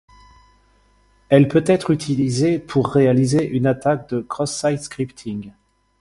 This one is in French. Elle peut être utilisée pour réaliser une attaque de cross-site scripting.